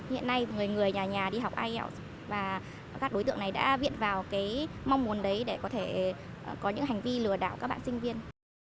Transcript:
hiện nay người người nhà nhà đi học ielts và các đối tượng này đã viện vào mong muốn đấy để có thể có những hành vi lừa đảo các bạn sinh viên